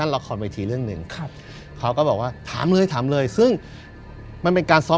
ละครเวทีเรื่องหนึ่งครับเขาก็บอกว่าถามเลยถามเลยซึ่งมันเป็นการซ้อม